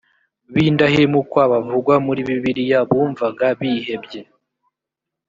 b indahemuka bavugwa muri bibiliya bumvaga bihebye